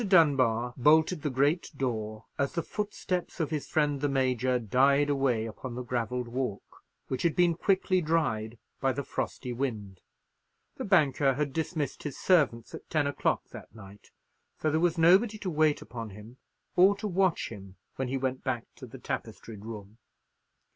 Dunbar bolted the great door as the footsteps of his friend the Major died away upon the gravelled walk, which had been quickly dried by the frosty wind. The banker had dismissed his servants at ten o'clock that night; so there was nobody to wait upon him, or to watch him, when he went back to the tapestried room.